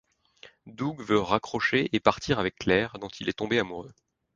Doug veut raccrocher et partir avec Claire, dont il est tombé amoureux.